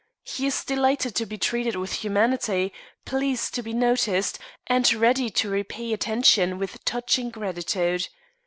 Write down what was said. He is delighted to be treated with humanity, pleased to be noticed, and ready to repay attention with touching gratitude.